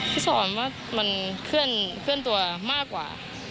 ฟุตซอร์มันเคลื่อนตัวมากกว่า